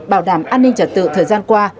bảo đảm an ninh trật tự thời gian qua